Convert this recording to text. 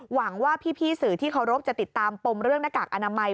หวังว่าพี่สื่อที่เคารพจะติดตามปมเรื่องหน้ากากอนามัย